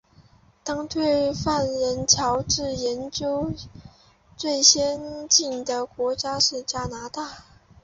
当代对犯人矫治研究最先进的国家是加拿大。